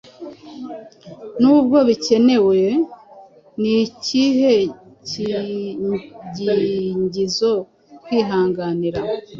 Nubwo bikenewe, ni ikihe giingizo kwihanganira